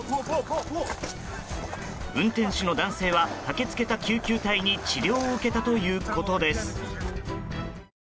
運転手の男性は駆け付けた救急隊に治療を受けたということです。